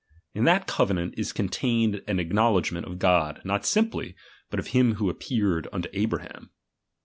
In that covenant is contained an ac knowledgment uf God, not simply, but of him who appeared unto Abraham.